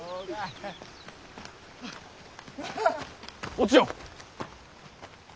お千代。